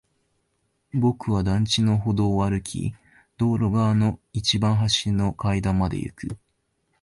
僕は団地の歩道を歩き、道路側の一番端の階段まで行く。